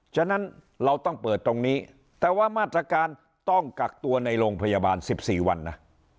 ฉะนั้นเราต้องเปิดตรงนี้แต่ว่ามาตรการต้องกักตัวในโรงพยาบาล๑๔วันนะ